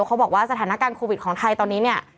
เขาบอกว่าสถานการณ์โควิดของไทยตอนนี้เนี่ย